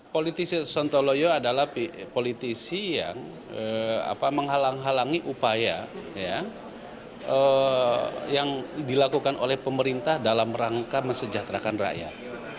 politisi sontoloyo adalah politisi yang menghalang halangi upaya yang dilakukan oleh pemerintah dalam rangka mesejahterakan rakyat